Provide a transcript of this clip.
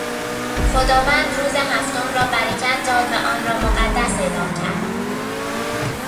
خداوند روز هفتم را برکت داد و آنرا مقدس اعلام کرد.